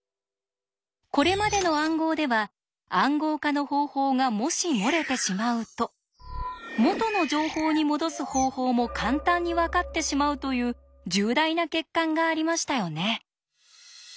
これまでの暗号では「暗号化の方法」がもし漏れてしまうと「元の情報にもどす方法」も簡単にわかってしまうという重大な欠陥がありましたよね。